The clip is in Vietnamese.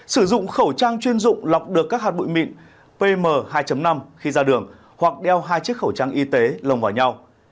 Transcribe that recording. sử dụng khẩu trang chuyên dụng lọc được các hạt bụi mịn pm hai năm khi ra đường hoặc đeo hai chiếc khẩu trang y tế lồng vào nhau